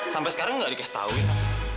sampai sekarang tidak dikasih tahu ya